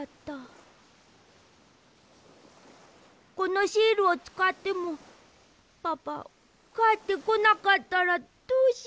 このシールをつかってもパパかえってこなかったらどうしよう。